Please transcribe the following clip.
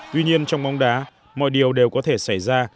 tuy nhiên trong bóng đá mọi điều đều có thể xảy ra